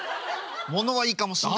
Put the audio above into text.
物はいいかもしんないけど。